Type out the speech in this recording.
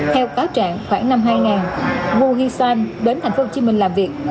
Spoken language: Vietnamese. theo cáo trạng khoảng năm hai nghìn hu huy san đến tp hcm làm việc